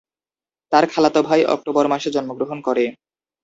তার খালাতো ভাই অক্টোবর মাসে জন্মগ্রহণ করে।